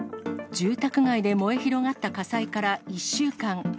住宅街で燃え広がった火災から１週間。